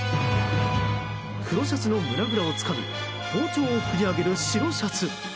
黒シャツの胸ぐらをつかみ包丁を振り上げる白シャツ。